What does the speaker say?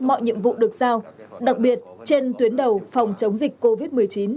mọi nhiệm vụ được sao đặc biệt trên tuyến đầu phòng chống dịch covid một mươi chín